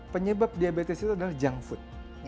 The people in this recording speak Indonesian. penyebab diabetes itu adalah junk food